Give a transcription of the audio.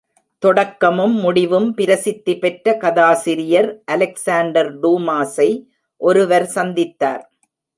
தொடக்கமும் முடிவும் பிரசித்தி பெற்ற கதாசிரியர் அலெக்ஸாண்டர் டூமாஸை, ஒருவர் சந்தித்தார்.